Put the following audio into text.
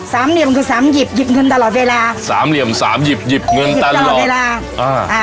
เหลี่ยมคือสามหยิบหยิบเงินตลอดเวลาสามเหลี่ยมสามหยิบหยิบเงินตลอดเวลาอ่าอ่า